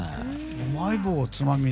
うまい棒をつまみに？